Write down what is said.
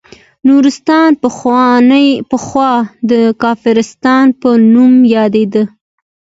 نورستان پخوا د کافرستان په نوم یادیده